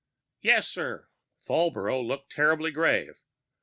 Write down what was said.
"Yes, sir." Falbrough looked terribly grave.